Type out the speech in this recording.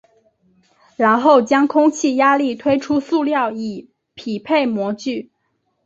然后将空气压力推出塑料以匹配模具。